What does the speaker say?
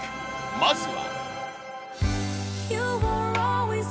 まずは。